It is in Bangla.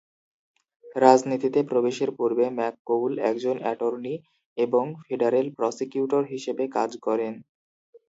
রাজনীতিতে প্রবেশের পূর্বে ম্যাককউল একজন অ্যাটর্নি এবং ফেডারেল প্রসিকিউটর হিসেবে কাজ করেন।